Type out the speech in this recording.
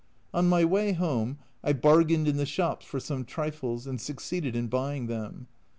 On my way home I bargained in the shops for some trifles and succeeded in buying them.